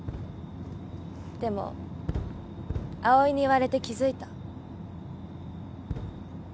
でも葵に言われて気付いた